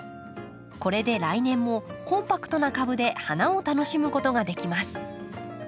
これで来年もコンパクトな株で花を楽しむことができます。